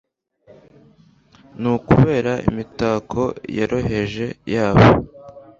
Nakubera imitako yoroheje yabo